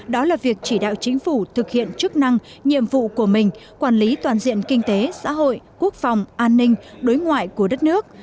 đó là việc chỉ đạo chính phủ thực hiện chức năng nhiệm vụ của mình quản lý toàn diện kinh tế xã hội quốc phòng an ninh đối ngoại của đất nước